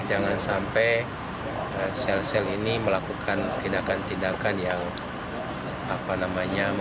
jangan sampai sel sel ini melakukan tindakan tindakan yang apa namanya